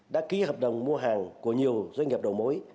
đã ký hợp đồng mua hàng của nhiều doanh nghiệp đầu mối